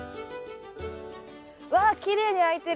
わきれいにあいてる。